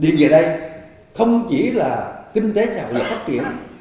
điện về đây không chỉ là kinh tế thảo lực phát triển